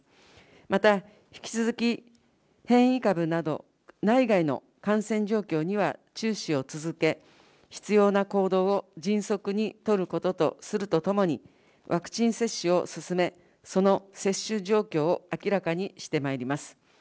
また、引き続き変異株など、内外の感染状況には注視を続け、必要な行動を迅速に取ることとするとともに、ワクチン接種を進め、その接種状況を明らかにしてまいります。